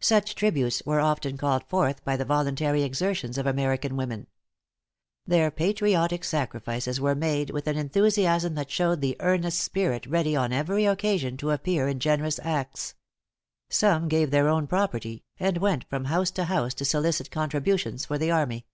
Such tributes were often called forth by the voluntary exertions of American women. Their patriotic sacrifices were made with an enthusiasm that showed the earnest spirit ready on every occasion to appear in generous acts. Some gave their own property, and went from house to house to solicit contributions for the army.